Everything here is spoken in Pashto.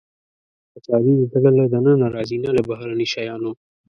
• خوشالي د زړه له دننه راځي، نه له بهرني شیانو.